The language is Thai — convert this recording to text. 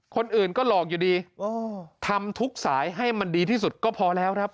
คนอื่นก็หลอกอยู่ดีทำทุกสายให้มันดีที่สุดก็พอแล้วครับ